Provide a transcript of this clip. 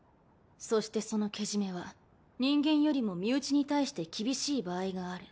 そしてそのけじめは人間よりも身内に対して厳しい場合がある。